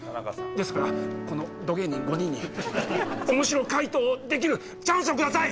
ですからこのど芸人５人にオモシロ解答をできるチャンスをください！